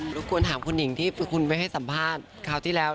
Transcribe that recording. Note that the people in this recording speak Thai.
รบกวนถามคุณหญิงที่คุณไม่ให้สัมภาษณ์คราวที่แล้ว